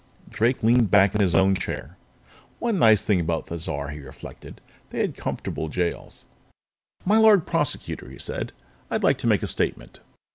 Drake leaned back in his own chair. One thing nice about Thizar, he reflected; they had comfortable jails. "My Lord Prosecutor," he said, "I'd like to make a statement.